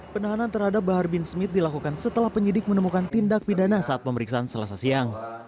penahanan terhadap bahar bin smith dilakukan setelah penyidik menemukan tindak pidana saat pemeriksaan selasa siang